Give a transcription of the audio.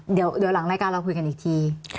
เดี๋ยวหลังรายการเราคุยกันอีกที